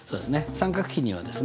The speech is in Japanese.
三角比にはですね